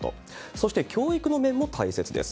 そして教育の面も大切です。